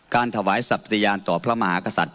ถวายสัตว์ยานต่อพระมหากษัตริย